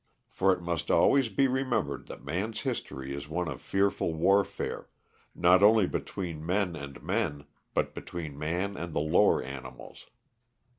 For it must always be remembered that man's history is one of fearful warfare, not only between men and men, but between man and the lower animals.